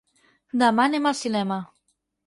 Demà anem al cinema.